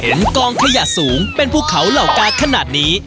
กองขยะสูงเป็นภูเขาเหล่ากาขนาดนี้